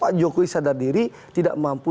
pak jokowi sadar diri tidak mampu